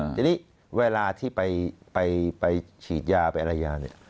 อย่างนี้เวลาที่ไปฉีดยาไปอะไรยา